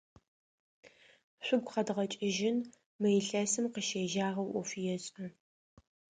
Шъугу къэдгъэкӏыжьын, мы илъэсым къыщегъэжьагъэу ӏоф ешӏэ.